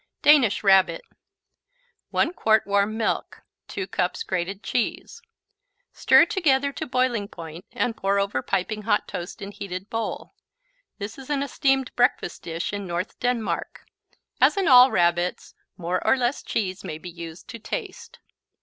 Danish Rabbit 1 quart warm milk 2 cups grated cheese Stir together to boiling point and pour over piping hot toast in heated bowl. This is an esteemed breakfast dish in north Denmark. As in all Rabbits, more or less cheese may be used, to taste.